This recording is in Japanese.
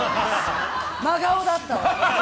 真顔だったわ。